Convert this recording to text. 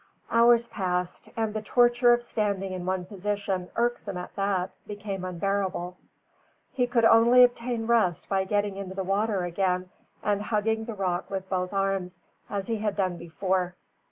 Hours passed, and the torture of standing in one position irksome at that, became unbearable. He could only obtain rest by getting into the water again and hugging the rock with both arms as he had done before.